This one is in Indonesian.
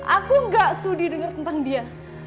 aku gak sudi dengar tentang dia